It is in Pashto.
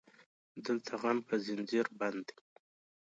دلته غم په زنځير بند دی